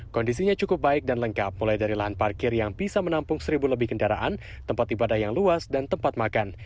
kondisinya cukup baik dan lengkap mulai dari lahan parkir yang bisa menampung seribu lebih kendaraan tempat ibadah yang luas dan tempat makan